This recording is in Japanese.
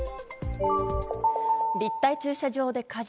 立体駐車場で火事。